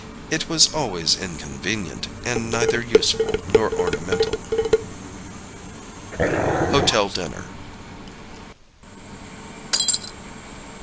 It was always inconvenient, and neither useful nor ornamental. Hotel Dinner.